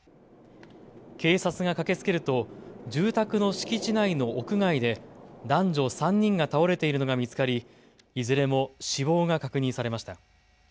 警察が駆けつけると住宅の敷地内の屋外で男女３人が倒れているのが見つかりいずれも死亡が確認されました。